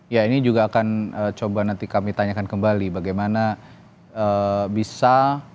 ya ini juga akan coba nanti kami tanyakan kembali bagaimana bisa